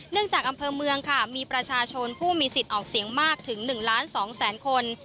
จากอำเภอเมืองค่ะมีประชาชนผู้มีสิทธิ์ออกเสียงมากถึง๑ล้าน๒แสนคน